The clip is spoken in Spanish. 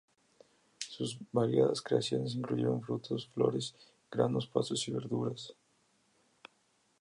Sus variadas creaciones incluyeron frutos, flores, granos, pastos, y verduras.